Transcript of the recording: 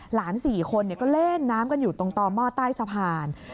๔คนก็เล่นน้ำกันอยู่ตรงต่อหม้อใต้สะพาน